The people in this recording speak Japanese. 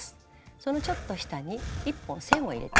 そのちょっと下に１本線を入れてあげます。